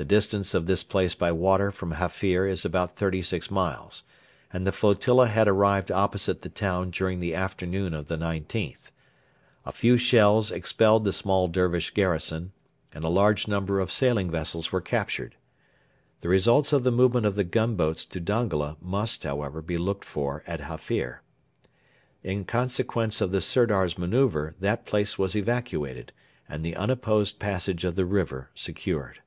The distance of this place by water from Hafir is about thirty six miles, and the flotilla had arrived opposite the town during the afternoon of the 19th. A few shells expelled the small Dervish garrison, and a large number of sailing vessels were captured. The results of the movement of the gunboats to Dongola must, however, be looked for at Hafir. In consequence of the Sirdar's manœuvre that place was evacuated and the unopposed passage of the river secured.